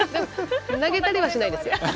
投げたりはしないです。